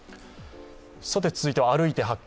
続いては「歩いて発見！